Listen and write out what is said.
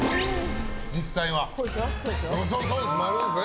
実際は○ですね。